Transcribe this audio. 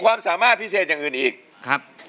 กว่าจะจบรายการเนี่ย๔ทุ่มมาก